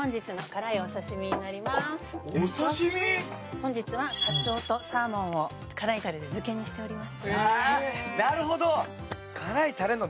本日はカツオとサーモンを辛いタレで漬けにしております。